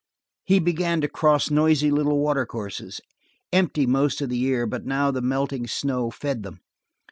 He began to cross noisy little watercourses, empty most of the year, but now the melting snow fed them.